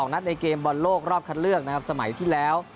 นัดในเกมบอลโลกรอบคัดเลือกนะครับสมัยที่แล้ว